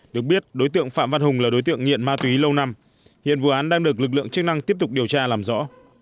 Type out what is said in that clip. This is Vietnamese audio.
được biết đối tượng phạm văn hùng là đối tượng nghiện ma túy lâu năm hiện vụ án đang được lực lượng chức năng tiếp tục điều tra làm rõ